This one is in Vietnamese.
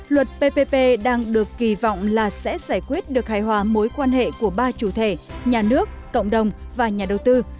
luật ppp đang được kỳ vọng là sẽ giải quyết được hài hòa mối quan hệ của ba chủ thể nhà nước cộng đồng và nhà đầu tư